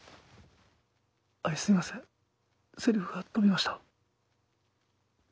あいすいませんセリフが飛びました。